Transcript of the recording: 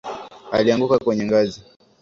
Alianguka kwenye ngazi